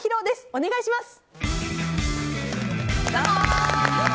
お願いします。